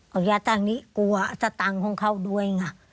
เอาใส่ทางนี้กลัวจะตังค์เข้าด้วย